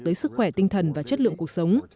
tới sức khỏe tinh thần và chất lượng cuộc sống